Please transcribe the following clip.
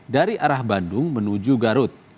dari arah bandung menuju garut